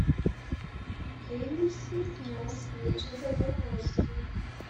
— Київський князь кличе тебе в гості.